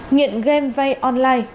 nghiện game vay online